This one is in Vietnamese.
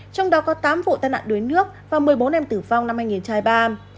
trong đó có tám vụ tai nạn đuối nước và một mươi bốn em tử vong năm hai nghìn hai mươi ba